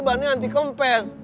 bahannya anti kempes